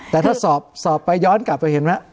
แต่ถ้าสอบไปย้อนกลับไปเห็นไหม